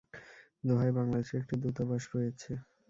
দোহায় বাংলাদেশের একটি দূতাবাস রয়েছে।